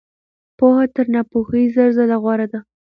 پوهه تر ناپوهۍ زر ځله غوره ده.